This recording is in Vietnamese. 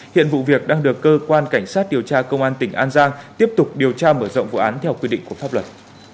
hiện vụ việc đang được cơ quan cảnh sát điều tra công an tỉnh an giang tiếp tục điều tra mở rộng vụ án theo quy định của pháp luật